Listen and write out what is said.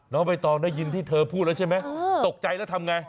ใบตองได้ยินที่เธอพูดแล้วใช่ไหมตกใจแล้วทำไง